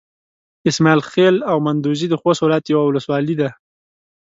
اسماعيل خېل او مندوزي د خوست ولايت يوه ولسوالي ده.